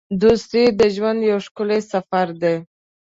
دوستي د ژوند یو ښکلی سفر دی.